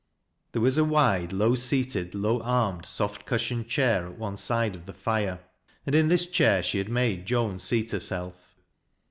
There was a wide, low seated, low armed, soft cushioned chair at one side of the fire, and in this chair she had made Joan seat herself.